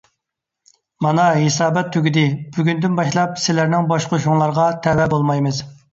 مانا، ھېسابات تۈگىدى. بۈگۈندىن باشلاپ سىلەرنىڭ باشقۇرۇشۇڭلارغا تەۋە بولمايمىز!